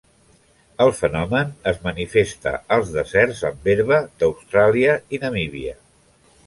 El fenomen es manifesta als deserts amb herba d'Austràlia i Namíbia.